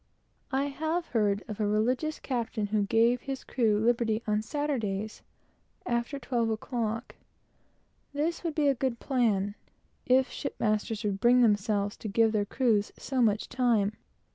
I have heard of a religious captain who gave his crew liberty on Saturdays, after twelve o'clock. This would be a good plan, if shipmasters would bring themselves to give their crews so much time.